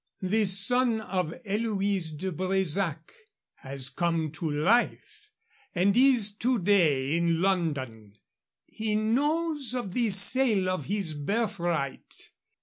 The son of Eloise de Bresac has come to life and is to day in London. He knows of the sale of his birthright.